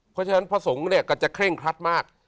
เพราะฉะนั้นพระสงฆ์เนี่ยก็จะเคร่งครัดมาก